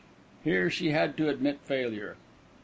Here she had to admit failure.